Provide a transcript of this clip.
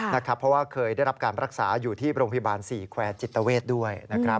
เพราะว่าเคยได้รับการรักษาอยู่ที่โรงพยาบาล๔แควร์จิตเวทด้วย